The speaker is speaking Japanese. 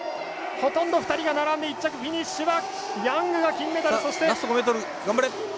ほとんど２人が並んで１着フィニッシュはラスト５ｍ頑張れ。